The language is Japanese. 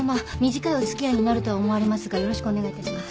短いお付き合いになるとは思われますがよろしくお願いいたします。